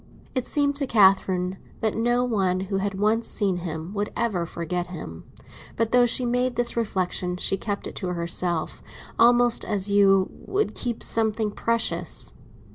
It seemed to Catherine that no one who had once seen him would ever forget him; but though she made this reflexion she kept it to herself, almost as you would keep something precious.